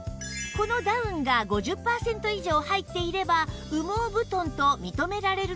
このダウンが５０パーセント以上入っていれば羽毛布団と認められるのですが